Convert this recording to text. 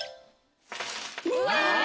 うわ！